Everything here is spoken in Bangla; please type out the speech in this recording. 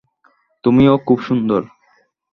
তুমিও খুব সুন্দর।